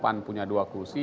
pan punya dua kurusi